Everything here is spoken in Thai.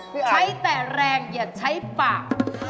ใช้แต่แรงอย่าใช้ปาก